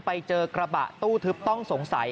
ไปเจอกระบะตู้ทึบต้องสงสัย